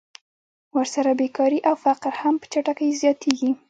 ورسره بېکاري او فقر هم په چټکۍ زیاتېږي